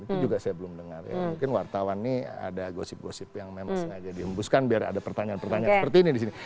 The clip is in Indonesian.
itu juga saya belum dengar ya mungkin wartawan ini ada gosip gosip yang memang sengaja dihembuskan biar ada pertanyaan pertanyaan seperti ini disini